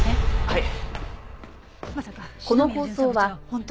はい。